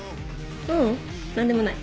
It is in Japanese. ううん何でもない。